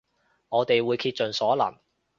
我哋會竭盡所能